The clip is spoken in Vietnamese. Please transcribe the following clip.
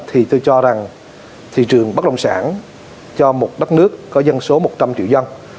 thì tôi cho rằng thị trường bất động sản cho một đất nước có dân số một trăm linh triệu dân